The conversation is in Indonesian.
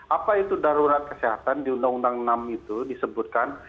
apa itu darurat kesehatan di undang undang enam itu disebutkan